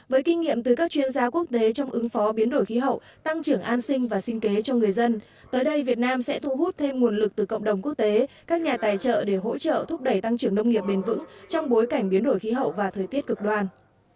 với kinh nghiệm từ các chuyên gia quốc tế trong ứng phó biến đổi khí hậu tăng trưởng an sinh và sinh kế cho người dân tới đây việt nam sẽ thu hút thêm nguồn lực từ cộng đồng quốc tế các nhà tài trợ để hỗ trợ thúc đẩy tăng trưởng nông nghiệp bền vững trong bối cảnh biến đổi khí hậu và thời tiết cực đoan